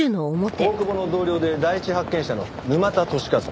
大久保の同僚で第一発見者の沼田利一。